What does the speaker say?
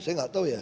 saya nggak tahu ya